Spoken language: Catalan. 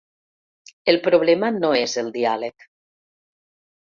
El problema no és el diàleg.